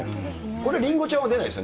これ、りんごちゃんは出ないです